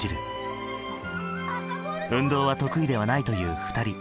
運動は得意ではないという２人。